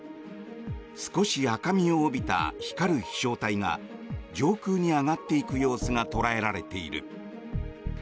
少し赤みを帯びた光る飛翔体が上空に上がっていく様子が捉えられている。